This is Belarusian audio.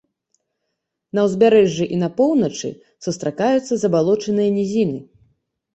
На ўзбярэжжы і на поўначы сустракаюцца забалочаныя нізіны.